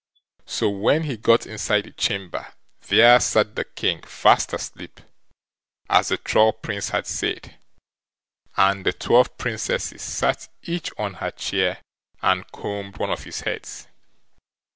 So when he got inside the chamber, there sat the King fast asleep as the Troll Prince had said, and the twelve Princesses sat each on her chair and combed one of his heads.